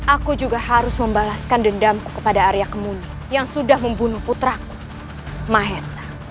aku juga harus membalaskan dendam kepada arya kemuni yang sudah membunuh putraku mahesa